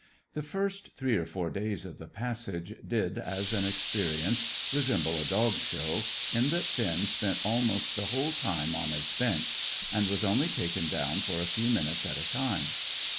The first three or four days of the passage did, as an experience, resemble a Dog Show, in that Finn spent almost the whole time on his bench, and was only taken down for a few minutes at a time.